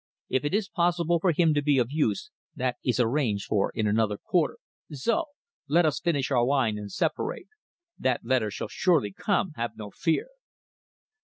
"If it is possible for him to be of use, that is arranged for in another quarter. So! Let us finish our wine and separate. That letter shall surely come. Have no fear."